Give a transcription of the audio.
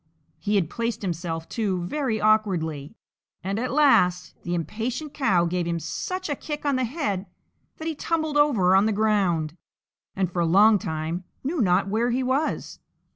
He had placed himself, too, very awkwardly, and at last the impatient cow gave him such a kick on the head that he tumbled over on the ground, and for a long time knew not where he was.